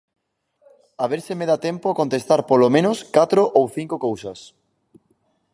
A ver se me dá tempo a contestar polo menos catro ou cinco cousas.